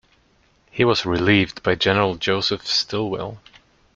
He was relieved by General Joseph Stilwell.